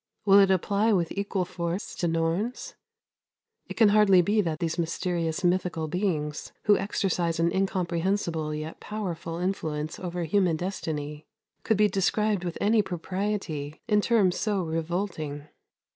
Will it apply with equal force to Norns? It can hardly be that these mysterious mythical beings, who exercise an incomprehensible yet powerful influence over human destiny, could be described with any propriety in terms so revolting.